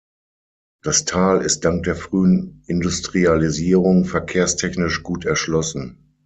Das Tal ist dank der frühen Industrialisierung verkehrstechnisch gut erschlossen.